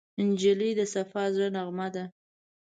نجلۍ د صفا زړه نغمه ده.